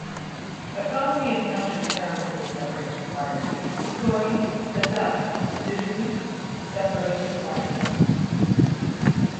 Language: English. A commonly encountered term for the separated choirs is "cori spezzati"-literally, separated choirs.